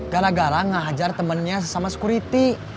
gara gara ngajar temennya sama security